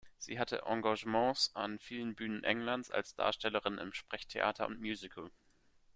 Sie hatte Engagements an vielen Bühnen Englands als Darstellerin im Sprechtheater und Musical.